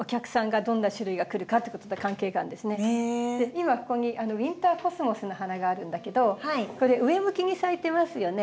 今ここにウインターコスモスの花があるんだけどこれ上向きに咲いてますよね。